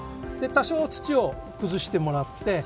多少土をくずしてもらって。